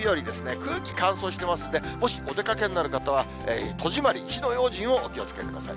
空気乾燥してますんで、もしお出かけになる方は、戸締まり、火の用心をお気をつけください。